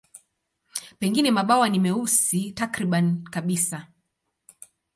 Pengine mabawa ni meusi takriban kabisa.